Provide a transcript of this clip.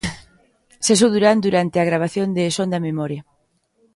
Seso Durán durante a gravación de 'Son da memoria'.